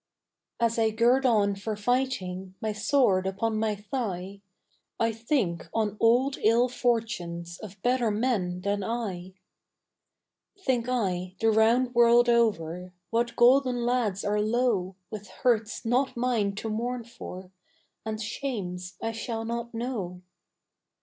As I gird on for fighting My sword upon my thigh, I think on old ill fortunes Of better men than I. Think I, the round world over, What golden lads are low With hurts not mine to mourn for And shames I shall not know.